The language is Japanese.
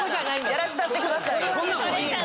やらしたってくださいよ。